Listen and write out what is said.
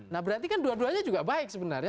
nah berarti kan dua duanya juga baik sebenarnya